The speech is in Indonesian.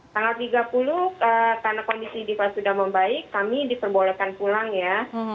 tanggal tiga puluh karena kondisi diva sudah membaik kami diperbolehkan pulang ya